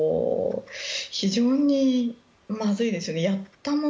非常にまずいですよね。